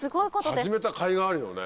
始めたかいがあるよね。